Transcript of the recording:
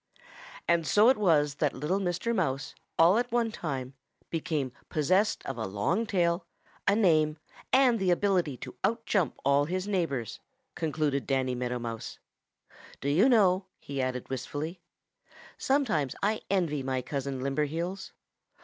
"And so it was that little Mr. Mouse, all at one time, became possessed of a long tail, a name, and the ability to out jump all his neighbors," concluded Danny Meadow Mouse. "Do you know," he added wistfully, "sometimes I envy my cousin Limberheels."